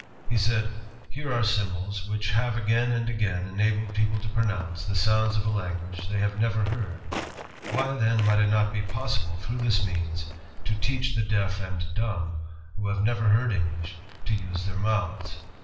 ... He said: ^Here are symbols which have again and again enabled people to pronounce ... the sounds of a language they have never heard. ... Why, then, might it not be possible through this means to teach the deaf and dumb, who have never heard English, to use their mouths?'